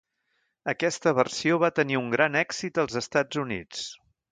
Aquesta versió va tenir un gran èxit als Estats Units.